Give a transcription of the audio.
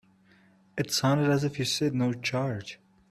It sounded as if you said no charge.